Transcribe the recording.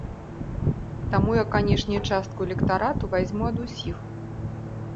Таму, я, канешне, частку электарату вазьму ад усіх.